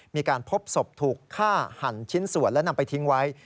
มีการพบศพถูกฆ่าหันชิ้นส่วนและนำไปทิ้งไว้